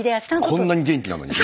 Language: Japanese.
こんなに元気なのに？